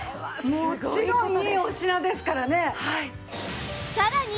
もちろんいいお品ですからね。